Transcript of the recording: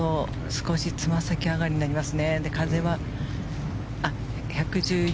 少しつま先上がりになります。